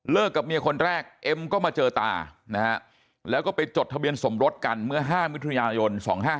กับเมียคนแรกเอ็มก็มาเจอตานะฮะแล้วก็ไปจดทะเบียนสมรสกันเมื่อ๕มิถุนายน๒๕๖